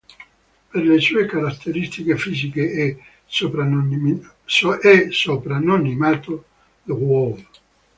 Per le sue caratteristiche fisiche è soprannominato "The Wall".